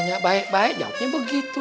tidak baik baik jawabnya begitu